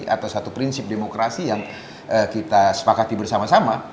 atau satu prinsip demokrasi yang kita sepakati bersama sama